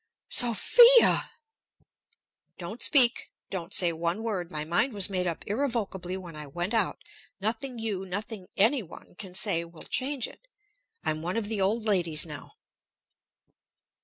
"Sophia!" "Don't speak! Don't say one word! My mind was made up irrevocably when I went out. Nothing you, nothing any one, can say, will change it. I'm one of the old ladies now."